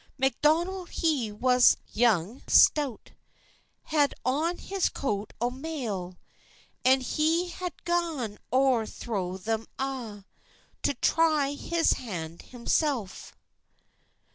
Macdonell he was young an stout, Had on his coat o mail, And he has gane oot throw them a' To try his han himsell.